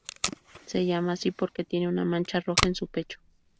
Se llama así porque tiene una mancha roja en su pecho.